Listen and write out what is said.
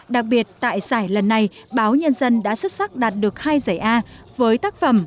đặc biệt tại giải lần này báo nhân dân đã xuất sắc đạt được hai giải a với tác phẩm